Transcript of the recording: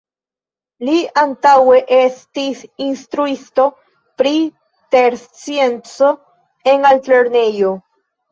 Li antaŭe estis instruisto pri terscienco en altlernejo.